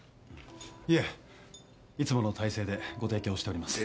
いえいつもの体制でご提供しております。